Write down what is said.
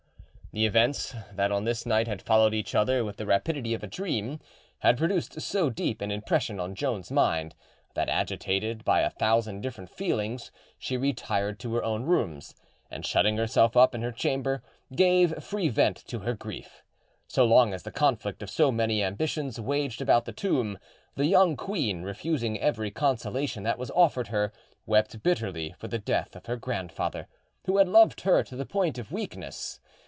The events that on this night had followed each other with the rapidity of a dream had produced so deep an impression on Joan's mind, that, agitated by a thousand different feelings, she retired to her own rooms, and shutting herself up in her chamber, gave free vent to her grief. So long as the conflict of so many ambitions waged about the tomb, the young queen, refusing every consolation that was offered her, wept bitterly for the death of her grandfather, who had loved her to the point of weakness.